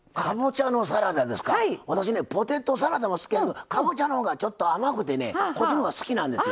私ね、ポテトサラダも好きですけどかぼちゃのほうがちょっと甘くてこっちのほうが好きなんですよ。